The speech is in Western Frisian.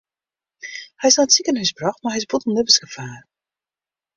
Hy is nei it sikehús brocht mar hy is bûten libbensgefaar.